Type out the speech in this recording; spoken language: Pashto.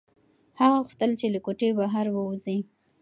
هغه غوښتل چې له کوټې بهر ووځي.